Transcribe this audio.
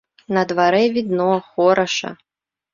На дварэ відно, хораша.